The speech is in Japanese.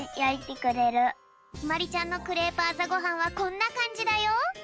ひまりちゃんのクレープあさごはんはこんなかんじだよ。